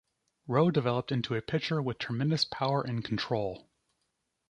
Rowe developed into a pitcher with tremendous power and control.